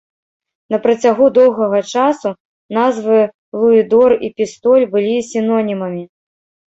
На працягу доўгага часу назвы луідор і пістоль былі сінонімамі.